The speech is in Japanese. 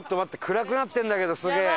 暗くなってるんだけどすげえ。